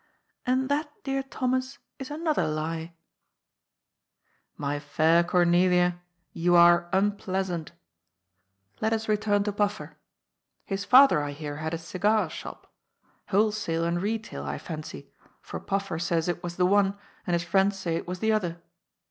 " And that, dear Thomas, is another lie." " My fair Cornelia, you are unpleasant. Let us return to Paffer. His father, I hear, had a cigar shop. Wholesale and retail, I fancy, for Paffer says it was the one, and his friends say it was the other.